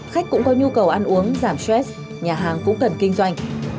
khách cũng có nhu cầu ăn uống giảm stress nhà hàng cũng cần kinh doanh